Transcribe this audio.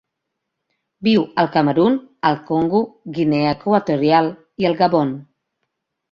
Viu al Camerun, el Congo, Guinea Equatorial i el Gabon.